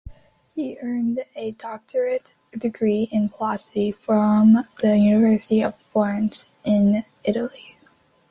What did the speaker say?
He earned a doctorate degree in philosophy from the University of Florence in Italy.